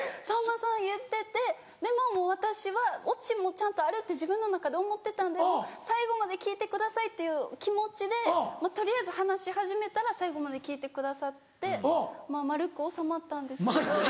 さんまさん言っててでももう私は落ちもちゃんとあるって自分の中で思ってたんで最後まで聞いてくださいっていう気持ちで取りあえず話し始めたら最後まで聞いてくださってまぁ丸く収まったんですけど。